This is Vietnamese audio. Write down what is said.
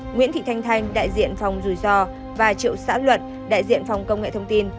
nguyễn thị thanh thanh đại diện phòng rủi ro và triệu xã luận đại diện phòng công nghệ thông tin